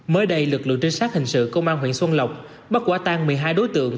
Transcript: mới đây lực lượng trinh sát hình sự công an huyện xuân lộc bắt quả tang một mươi hai đối tượng